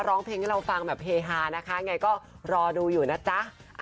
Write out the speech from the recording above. ร้องเพลงให้เราฟังแบบเฮฮานะคะไงก็รอดูอยู่นะจ๊ะ